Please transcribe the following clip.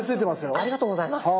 ありがとうございます。